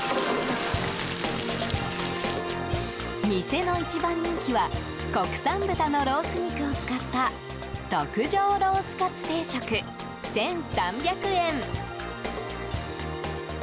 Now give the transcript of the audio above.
店の一番人気は国産豚のロース肉を使った特上ロースかつ定食１３００円。